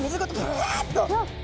ぶわっと。